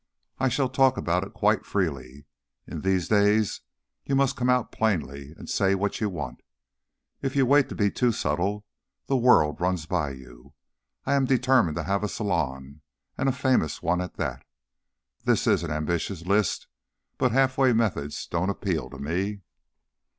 I shall talk about it quite freely. In these days you must come out plainly and say what you want. If you wait to be too subtle, the world runs by you. I am determined to have a salon, and a famous one at that. This is an ambitious list, but half way methods don't appeal to me."